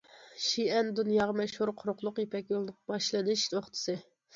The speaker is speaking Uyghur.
شىئەن دۇنياغا مەشھۇر قۇرۇقلۇق يىپەك يولىنىڭ باشلىنىش نۇقتىسى.